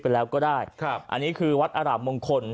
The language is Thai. เป็นแล้วก็ได้อันนี้คือวัดอร่ามงคล